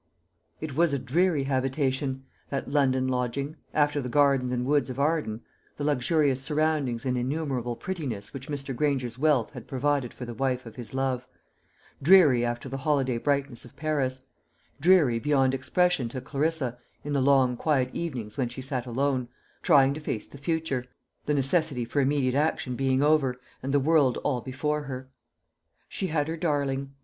It was a dreary habitation, that London lodging, after the gardens and woods of Arden, the luxurious surroundings and innumerable prettinesses which Mr. Granger's wealth had provided for the wife of his love; dreary after the holiday brightness of Paris; dreary beyond expression to Clarissa in the long quiet evenings when she sat alone, trying to face the future the necessity for immediate action being over, and the world all before her. She had her darling.